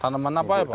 tanaman apa ya pak